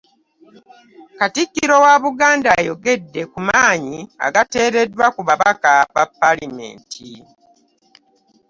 Katikkiro wa Buganda ayogedde ku maanyi agateereddwa ku babaka ba ppaalamenti.